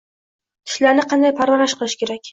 Tishlarni qanday parvarish qilish kerak?